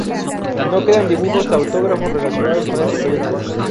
No quedan dibujos autógrafos relacionados con este proyecto.